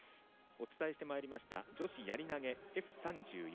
お伝えしてまいりました女子やり投げＦ３４